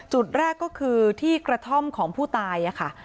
จุดแรกก็คือที่กระท่อมของผู้ตายค่ะ